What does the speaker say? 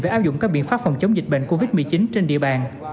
về áp dụng các biện pháp phòng chống dịch bệnh covid một mươi chín trên địa bàn